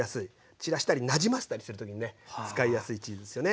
散らしたりなじませたりする時にね使いやすいチーズっすよね。